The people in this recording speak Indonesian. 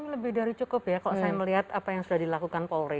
lebih dari cukup ya kalau saya melihat apa yang sudah dilakukan polri